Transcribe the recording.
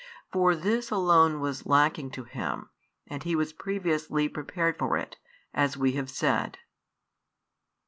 For this alone was lacking to him, and he was previously prepared for it, as we have said.